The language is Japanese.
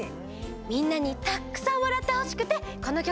みんなにたっくさんわらってほしくてこのきょくにしました。